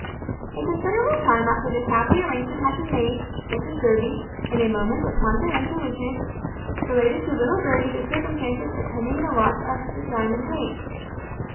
A considerable time after this happy arrangement had been made, Mrs Durby, in a moment of confidential weakness, related to little Gertie the circumstances attending the loss of the diamond ring.